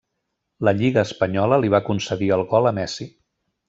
La Lliga espanyola li va concedir el gol a Messi.